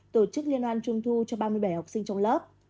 tổ chức liên hoan trung thu cho ba mươi bảy học sinh trong lớp